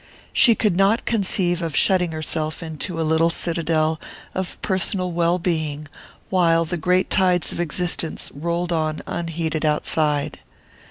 She could not conceive of shutting herself into a little citadel of personal well being while the great tides of existence rolled on unheeded outside.